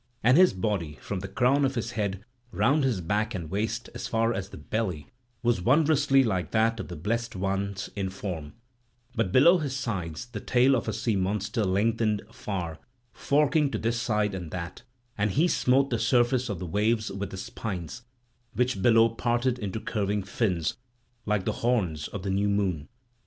And his body, from the crown of his head, round his back and waist as far as the belly, was wondrously like that of the blessed ones in form; but below his sides the tail of a sea monster lengthened far, forking to this side and that; and he smote the surface of the waves with the spines, which below parted into curving fins, like the horns of the new moon.